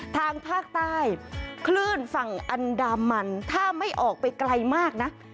ทางภาคใต้คลื่นฝั่งอันดามันถ้าไม่ออกไปไกลมากนะ